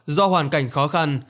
do hoàn cảnh khó khăn